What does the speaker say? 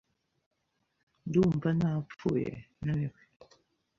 Ndumva napfuye naniwe .